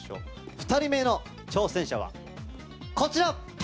２人目の挑戦者はこちら。